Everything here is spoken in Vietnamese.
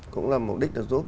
cũng là mục đích được giúp